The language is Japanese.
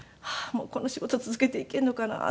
もうこの仕事続けていけるのかなっていう。